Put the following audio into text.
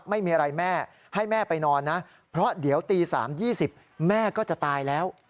ไม่มีอะไรแม่ให้แม่ไปนอนนะเพราะเดี๋ยวตี๓๒๐แม่ก็จะตายแล้ว